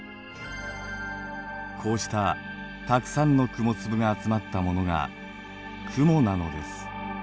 こうしたたくさんの雲粒が集まったものが雲なのです。